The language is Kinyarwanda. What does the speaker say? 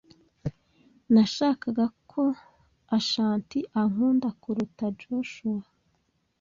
Nashakaga ko Ashanti ankunda kuruta Joshua.